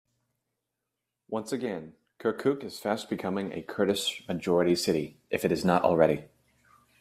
Once again, Kirkuk is fast becoming a Kurdish-majority city, if it is not already.